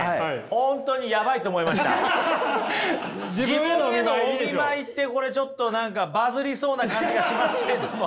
本当に自分へのお見舞いってこれちょっと何かバズりそうな感じがしますけれども。